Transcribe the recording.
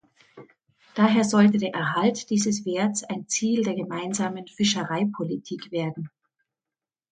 Daher sollte der Erhalt dieses Werts ein Ziel der Gemeinsamen Fischereipolitik werden.